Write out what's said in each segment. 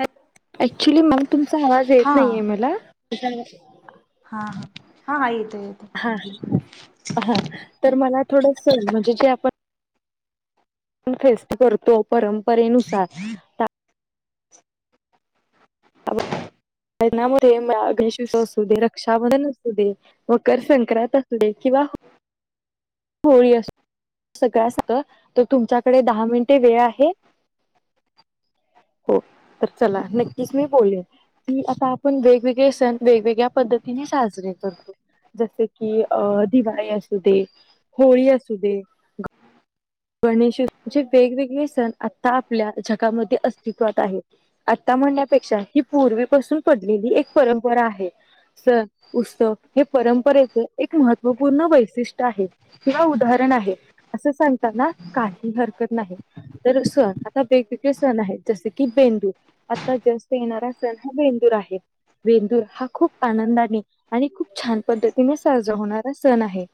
हा अऍक्च्युली मग तुमचा आवाज येत हा नाहीे मला हा हा हा येत येत हा हा तर मला थोड म्हणजे जे आपण फेस्त करतो परंपरेनुसार नामध्ये अशश असू दे रक्षा मधण असू दे मकर संक्रांत असले किंवा होळी अस सगळं असत तर तुमच्याकडे दहा मिनिटे वेळ आहे हो तर चला नक्कीच मी बोललेन की आता आपण वेगवेगळे सण वेगवेगळ्या पद्धतीने साजरे करतो जसे की अ दिवाळी असू दे होळी असू दे गणेशचे वेगवेगळे सण आता आपल्या जगामध्ये अस्तित्वात आहेत आता म्हणण्यापेक्षा ही पूर्वीपासून पडलेली एक परंपरा आहे सण उत्सव हे परंपरेच एक महत्त्वपूर्ण वैशिष्ट्य आहे किंवा उदाहरण आहे असं सांगताना काही हरकत नाही तर सण आता वेगवेगळे सण आहेत जसे की बेंदू आता जास्त येणारा सण हा बेंदूर आहे वेंदूर हा खूप आनंदाने आणि खूप छान पद्धतीने साजरा होणारा सण आहे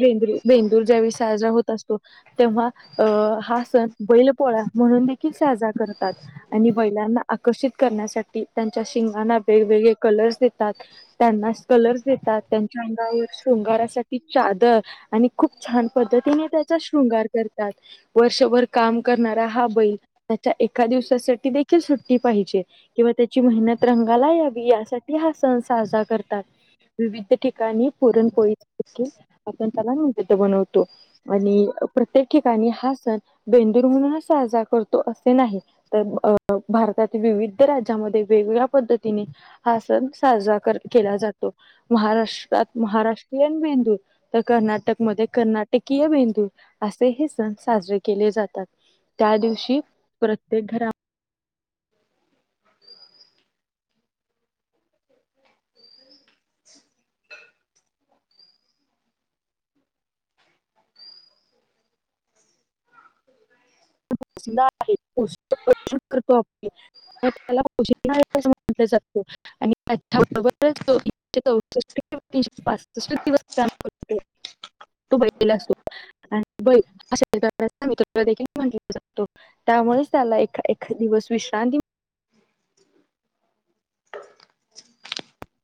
भेंदू भेंदूर ज्यावेळी साजरा होत असतो तेव्हा अ हा सण बैल पोळा म्हणून देखील साजरा करतात आणि महिलांना आकर्षित करण्यासाठी त्यांच्या शिंगांना वेगवेगळे कलर्स देतात त्यांना कलर्स देतात त्यांच्या अंगावर शृंगारासाठी चादर आणि खूप छान पद्धतीने त्याचा शृंगार करतात वर्षभर काम करणारा हा बैल त्याच्या एका दिवसासाठी देखील सुट्टी पाहिजे किंवा त्याची मेहनत रंगाला यावी यासाठी हा सण साजरा करतात विविध ठिकाणी पुरणपोळी देख आपण त्याला नवेद बनवतो आणि प्रत्येक ठिकाणी हा सण बेंदुर म्हणूनच साजरा करतो असे नाही तर अ भारतातील विविध राज्यामध्ये वेगवेगळ्या पद्धतीने हा सण साजरा केला जातो महाराष्ट्रात महाराष्ट्रीयन मेंदू तर कर्नाटकमध्ये कर्नाटक किय बेंदू असे हे सण साजरे केले जातात त्या दिवशी प्रत्येक घरा आहे करतो आप त्याला खोश आहे असं म्हटलं जातं आणिबरोबरशे चौसीशे पाष्ट दिवस तू बला अस ब मलाखील म्ह त्यामुळेच त्याला ए ए दिवस विश्रांती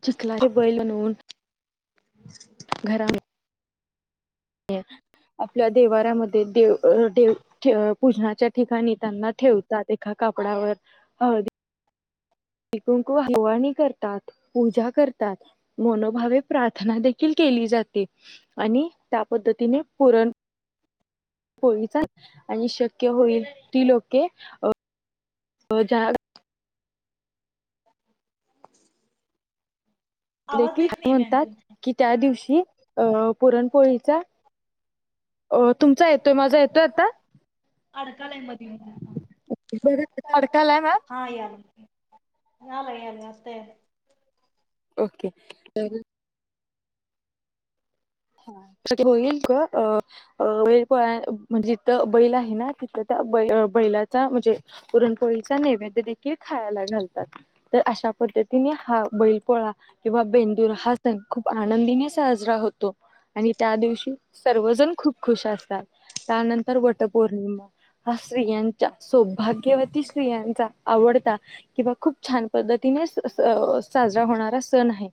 चिखलाारे बैल म्हणवून ह घराम आपल्या देवारमध्ये देव दे पूजनाच्या ठिकाणी त्यांना ठेवतात एका कपडावर हळदी शिकक हवाणी करतात पूजा करतात मनोभावे प्रार्थना देखील केली जाते आणि त्या पद्धतीने पुरण पोचा आणि शक्य होईल ती लोके ज्या आवाज देखील येत नाही मॅम म्हणतात तुमचा कि त्या दिवशी अं पुरणपोळीचा अ तुमचा येतोय माझा येतोय आता अडकाला म तडकालाय मॅम हा याला हला आले असते ओके हा ते होईल का अ अ वै प म्हणजे जिथं बैल आहे ना तिथं त्याै बैलाचा म्हणजे पुरणपोळीचा नैवेद्य देखील खायला घालतात तर अशा पद्धती तिने हा बैलपोळा किंवा बेंदूर हा सण खूप आनंदीने साजरा होतो आणि त्या दिवशी सर्वजण खूप खुश असतात त्यानंतर वटपौर्णिमा हा स्त्रियांच्या सौभाग्यवती स्तियांचा आवडता किंवा खूप छान पद्धतीने साजरा होणारा सण आहे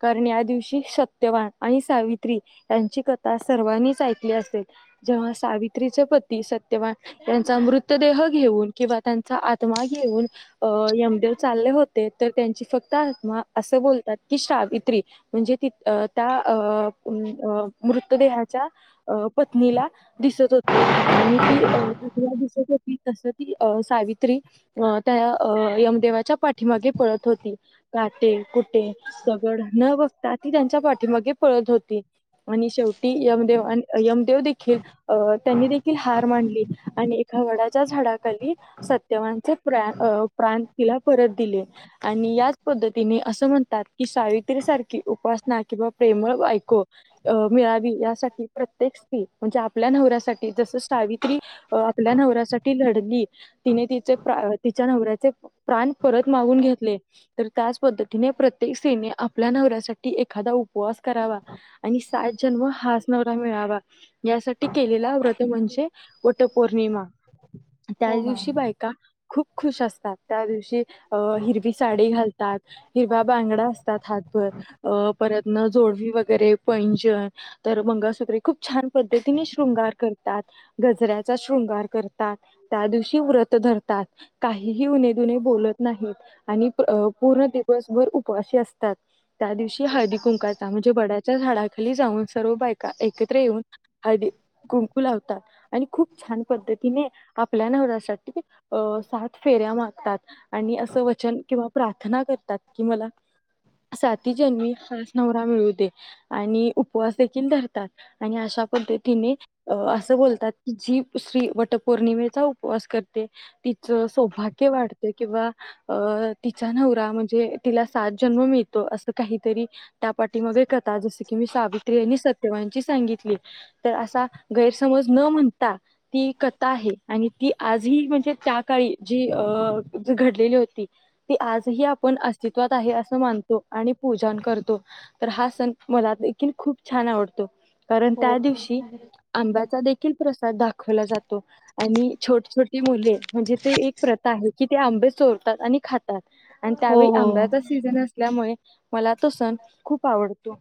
कारण या दिवशी सत्यवान, आणि सावित्री यांची कथा सर्वांनीच ऐकली असेल, जेव्हा सावित्रीचे पती सत्यवान, त्यांचा मृतदेह घेऊन किंवा, त्यांचा आत्मा घेऊन, अ यमदेव चालले होते तर, त्यांची फक्त आत्मा असं बोलतात की सावित्री. म्हणजे त त्या अ, मृतदेहाच्या अ पत्नीला, दिसत होती, आणि ती अला दिसत होती तस ती अ सावित्री, अ त्या यमदेवाच्या पाठीमागे पळत होती, काटे, कुठे दगड न बघता, ती त्यांच्या पाठीमागे पळत होते. आणि शेवटी यमदेव, आणि यमदेव देखील, अ त्यांनी देखील हार मांडली, आणि एका वडाच्या झाडाखाली, सत्यवांचे प्र प्रांण तिला परत दिले, आणि याच पद्धतीने असं म्हणतात, की सावित्री सारखी उपासना किंवा प्रेमळ, मिळावी यासाठी प्रत्येक स्त्री म्हणजे, आपल्या नवऱ्यासाठी जस सावित्री, अ आपल्या नवऱ्यासाठी लढली, तिने तिचे तिच्या नवऱ्याचे, प्राण परत मागून घेतले. तर त्याच पद्धतीने प्रत्येक स्त्री, आपल्या नवऱ्यासाठी एखादा उपवास करावा. आणि सात जन्म हाास नवरा मिळावा, यासाठी केलेला व्रत म्हणजे वटपौर्णिमा, त्या हो दिवशी मॅम बायका खूप खुश असतात, त्या दिवशी अ हिरवी साडी घालतात. हिरवा बांगडा असतात, हातभर अ परतन जोडवी वगैरे पैजन, तर मंगळसुत्रे खूप छान, पद्धतीने शृंगार करतात. गजऱ्याचा शृंगार करतात, त्या दिवशी व्रत धरतात, काहीही उनदु्ने बोलत नाहीत, आणि पूर्ण दिवसभर उपवाशी असतात. त्या दिवशी हळदी कुंकाचा म्हणजे, वड्याच्या झाडाखाली जाऊन सर्व बायका एकत्र येऊन, हदी कुंकू लावतात, आणि खूप छान पद्धतीने, आपल्या नवर साठी अ सात फेऱ्या मारतात, आणि असं वचन किंवा, प्रार्थना करतात कि मला, साती जन्मी खास नवरा मिळू दे, आणि उपवास देखील धरतात, आणि अशा पद्धतीने, अ असं बोलतात की जी श्री, वटपौर्णिमेचा उपवास करते. तिचं सौभाग्य, वाढत किंवा अ तिचा नवरा म्हणजे तिला सात जन्म मिळतो, असं काहीतरी त्या पाठी मग कथा जस की मी, सावित्री यांनी सत्यवाांची सांगितली. तर असं गैरसमज न म्हणता, ती कथा आहे आणि ती आजही म्हणजे, त्या काळी जी अ ज घडलेली होती. ती आजही आपण अस्तित्वात आहे असं मानतो, आणि पूजन करतो. तर हा सण मला देखील खूप छान, आवडतो कारण हो त्या दिवशी आंब्याचा देखील, प्रसाद दाखवला जातो. आणि छोट छोटी मुले म्हणजे ते, एक प्रथा आहे की ते आंबे चोरतात आणि खातात. आणि हो त्यावेळी हो. आंब्याचा सीझन असल्यामुळे, मला तो सण खूप आवडतो.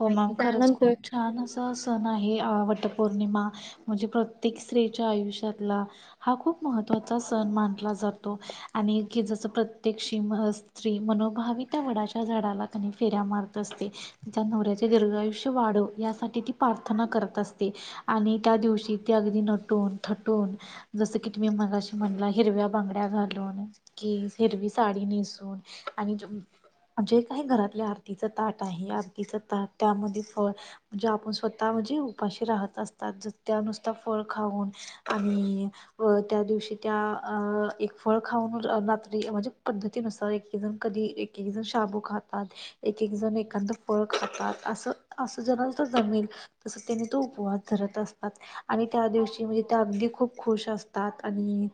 हो आणि मॅम खरंच त्यानंतर खूप छान अस, सण आहे वटपौर्णिमा म्हणजे, प्रत्येक स्त्रीच्या आयुष्यातला. हा खूप महत्त्वाचा सण मानला जातो. आणि की जस प्रत्येक शी म, स्त्री मनोभावी त्या वडाच्या झाडाला, कनी फेऱ्या मारत असते. त्या नवऱ्याचे दीर्घ आयुष्य वाढव, यासाठी ती प्रार्थना करत असते. आणि त्या दिवशी ते, अगदी नटून थटून, जसं की तुम्ही मगाशी म्हणला, हिरव्या बांगड्या घालून. कि हिरवी साडी नेसून आणि, जे काही घरातल्या आरतीच ताट आहे, आरतीच ताट त्यामध्ये फळ म्हणजे आपण स्वः ता म्हणजे उपाशी राहत असतात, ज त्यानुसता फळ खाऊन आणि व त्या दिवशी त्या अ एक फळ खाऊन, रात्री म्हणजे पद्धतीनुसार एक जण कधी एक एक जण शाबू खातात, एक एक जण एखाद फळखातात, असं असं जर जमेल. तस त्याने तो उपवास धरत असतात, आणि त्या दिवशी म्हणजे त्या अगदी खूप खुश असतात. आणि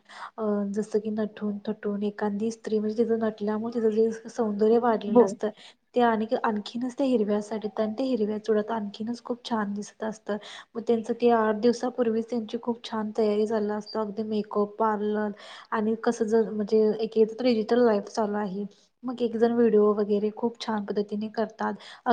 जसं की नटून थटून एखांदी स्त्री, म्हणजे तिच नटल्यामुळे तिच जे सौंदर्य वाढलेलं हो असतं, ते आण आणखीनच ते हिरव्यासाडीत आणि ते हिरव्या चुडात, आणखीनच खूप छान दिसत असतं. मग त्यांचं क आठ दिवसापूर्वीच त्यांची खूप छान तयारी झालेली असते, अगदी मेकअप पार्लर आणि कस जर म्हणजे, एक डिजिटल लाईफ चालू आहे. मग एक जण व्हिडिओ वगैरे खूप छान पद्धतीने कर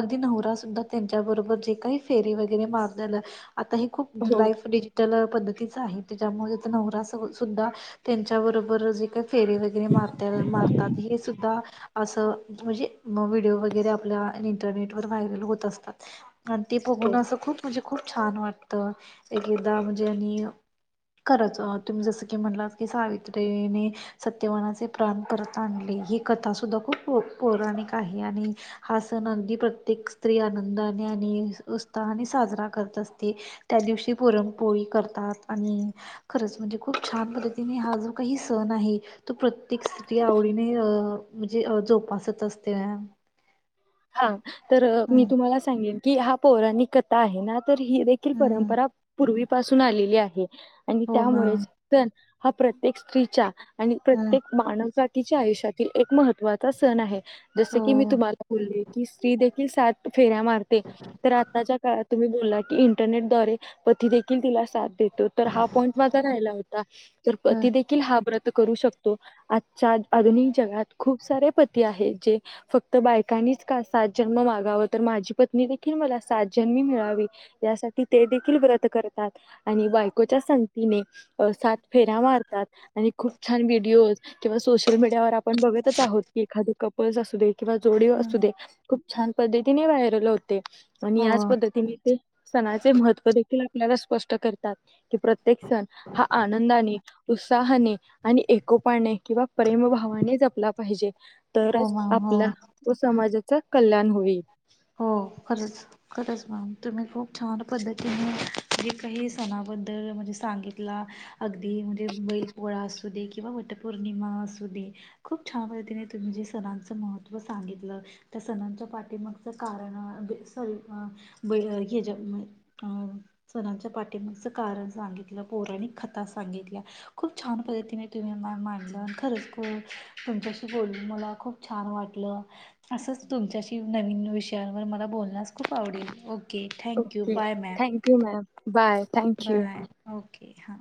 अगदी नवरा सुद्धा त्यांच्याबरोबर जे काही फेरी वगैरे मारलेलं, आता हे खूप हो लाईफ डिजिटल पद्धतीचं आहे, त्याच्यामुळे नवरा स सुद्धा त्यांच्याबरोबर जे काही फेरीे वगैरे मारत मारतात, हे सुद्धा, असं म्हणजे. मग व्हिडिओ वगैरे आपल्या इंटरनेट वर व्हायरल होत असतात, आणि ते हो बघून असं खूप म्हणजे खूप छान वाटतं, एक एकदा म्हणजे आणि खरच, तुम्ही जसं की म्हणला की, सावित्रीने सत्यवानाचे प्राण परत आणले, ही कथा सुुद्धा खूप प पौराणिक आहे, आणि हा अगदी प्रत्येक स्त्री आनंदाने आणि आणि साजरा करत असते, त्या दिवशी पुरणपोळी करतात, आणि खरंच म्हणजे खूप छान पद्धतीने हा जो काही सण आहे. तू प्रत्येक स्त्री आवडीने अ म्हणजे जोपासत असते. हा तर मी हं, तुम्हाला सांगेन की, हा पौराणिक कथा आहे ना तर ही एक हं, परंपरा पूर्वीपासून आलेली आहे, आणि हो मॅम. त्यामुळेच हा प्रत्येक स्त्रीचा, आणि हं, प्रत्येक मानव जाती च्या आयुष्यातील एक महत्त्वाचा सण आहे, जस की मी हो. तुम्हाला बोलले की स्त्री देखील सात फेऱ्या मारते. तर आत्ताच्या काळात तुम्ही बोलला की, इंटरनेट द्वारे पती देखील तिला साथ देतो, तर हा पॉईंट माझा राहिला होता, तर हं, ती देखील हा व्रत करू शकतो, आजच्या आधुनिक जगात खूप सारे पती आहे, जे फक्त बाय काणीच का सात जन्म मागाव, तर माझी पत्नी देखील मला सात जन्मी मिळावी, यासाठी ते देखील व्रत करतात, आणि बायकोच्या संगतीने, सात फेऱ्या मारतात, आणि खूप छान व्हिडीओज किंवा सोशल मीडियावर आपण बघतच आहोत की, एखादी कपल्स असू दे, किंवा जोडी असू हं, दे, खूप छान पद्धतीने वायरले होते, आणि हो, याच पद्धतीने ते सणाचे महत्त्व देखील आपल्याला स्पष्ट करतात, कि प्रत्येक सण हा आनंदाने उत्साहाने आणि एकोपाने किंवा प्रेमभावाने जपला पाहिजे. हो तरच मॅम हो. आपला व समाजाचा कल्याण होईल. हो खरंच. खरंच मॅम तुम्ही खूप छान पद्धतीने, जे काही सणाबद्दल म्हणजे सांगितल. अगदी म्हणजे बैल पोळा असू दे, किंवा वटपौर्णिमा असू दे, खूप छान पद्धतीने तुम्ही जे, सणांचं महत्त्व सांगितलं, त्या सणांच्या पाठी मग कारण सॉरी बैल ह्याच्या अ सणांच्या पाठिं मागचं कारण सांगितलं, पौराणिक कथा सांगितल्या. खूप छान पद्धतीने तुम्ही मा माांडलण, खरंच खू तुमच्याशी बोलू मला खूप छान वाटलं, असंच तुमच्याशी नवीन विषयांवर मला बोलण्यास खूप आवडेल, okay. Thank you okay, bye ma'am thank you ma'am, bye. Thank you. Bye, okay, हां.